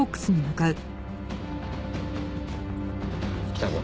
来たぞ。